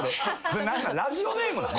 ラジオネームなん？